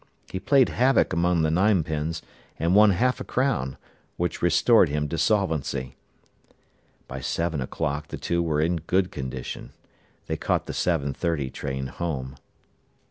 He played havoc among the nine pins, and won half a crown, which restored him to solvency. By seven o'clock the two were in good condition. They caught the 7.30 train home.